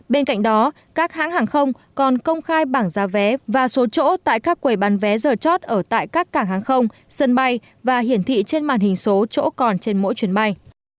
bên cạnh đó các hãng hàng không còn công khai bảng giá vé và số chỗ tại các quầy bán vé giờ chót ở tại các cảng hàng không sân bay và hiển thị trên màn hình số chỗ còn trên mỗi chuyến bay